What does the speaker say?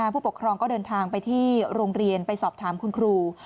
ผู้ปกครองก็เดินทางไปที่โรงเรียนไปสอบถามคุณครู